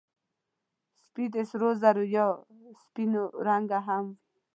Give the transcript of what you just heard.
سپي د سرو زرو یا سپینو رنګه هم وي.